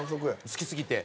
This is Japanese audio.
好きすぎて。